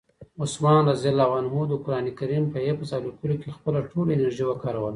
عثمان رض د قرآن کریم په حفظ او لیکلو کې خپله ټوله انرژي وکاروله.